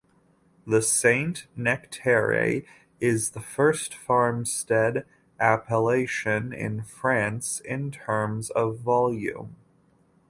The Saint-Nectaire is the first farmstead Appellation in France, in terms of volume.